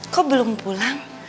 kok belum pulang